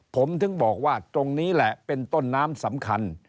ผมถึงบอกว่าตรงนี้แหละเป็นต้นน้ำสำคัญ